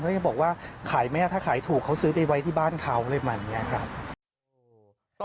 เขาก็บอกว่าขายไหมถ้าขายถูกเขาซื้อไปไว้ที่บ้านเขาอะไรแบบนี้ครับ